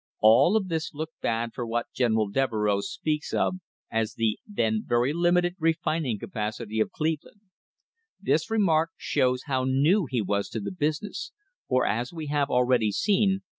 All of this looked bad for what General Devereux speaks of as the "then very limited refining capacity of Cleveland." This remark shows how new he was to the business, for, as we have * See Appendix, Number 3 . Affidavit of James H. Devereux.